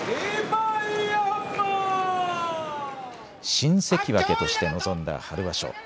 新関脇として臨んだ春場所。